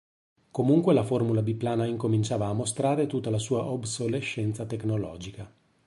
Comunque la formula biplana incominciava a mostrare tutta la sua obsolescenza tecnologica.